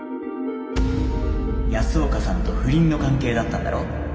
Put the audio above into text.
安岡さんと不倫の関係だったんだろう？